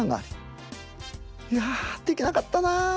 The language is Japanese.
いやできなかったな。